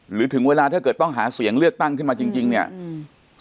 ถึงเวลาถ้าเกิดต้องหาเสียงเลือกตั้งขึ้นมาจริงจริงเนี้ยอืม